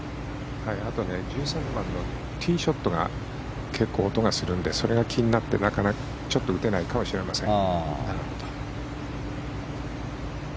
１３番のティーショットが結構、音がするのでそれが気になって、ちょっと打てないかもしれません。